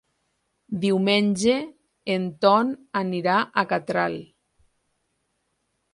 Diumenge en Ton anirà a Catral.